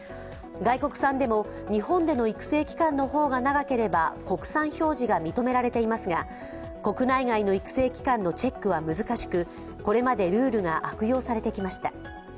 外国産でも日本での育成期間の方が長ければ国産表示が認められていますが国内外の育成期間のチェックは難しくこれまでルールが悪用されてきました。